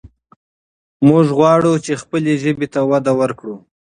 موږ غواړو چې خپلې ژبې ته وده ورکړو.